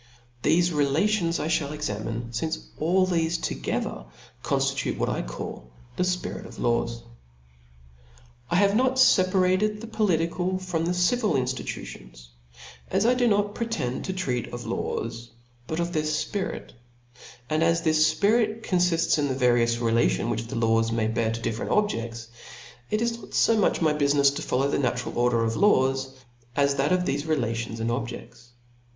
Thefe relations I ftiall ex amine, fince all thefe together conftitute what I call the Spirit of lazvs, I have not feparated the political from the civil inftitutions : for as I do not pretend to treat of laws, but of their fpirit , and as this fpi rit confifts in th^ various relations which the laws may have to different objeds, it is not fo much my , lo T H E S P I R I T Book j^y bufinefs to follow the natural order of lawSj phap. 3. as that of thefc relations and ofc^cfts.